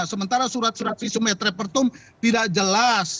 sementara surat surat isu metrapertum tidak jelas